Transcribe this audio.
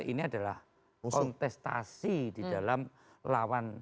ini adalah kontestasi di dalam lawan